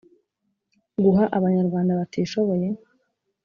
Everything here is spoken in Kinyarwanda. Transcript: Guha abanyarwanda batishoboye